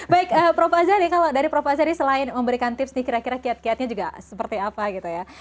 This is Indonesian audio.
baik prof azan kalau dari prof azri selain memberikan tips nih kira kira kiat kiatnya juga seperti apa gitu ya